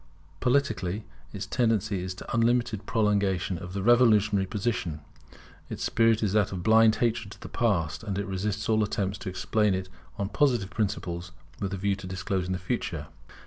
Politically, its tendency is to unlimited prolongation of the revolutionary position: its spirit is that of blind hatred to the past: and it resists all attempts to explain it on Positive principles, with a view of disclosing the future.